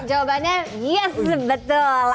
jawabannya yes betul